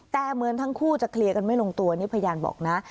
แต่เหมือนทั้งคู่จะเคลียร์กันไม่ลงตัวนี่พยานบอกนะ